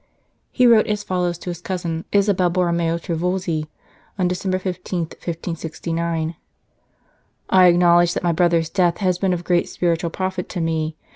He wrote as follows to his cousin, Isabella Borromeo Trivulzi, on December 15, 1569 :" I acknowledge that my brother s death has been of great spiritual profit to me.